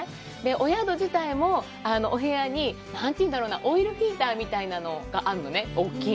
お宿自体も、お部屋に何というんだろうな、オイルヒーターみたいなのがあるのね、大きい。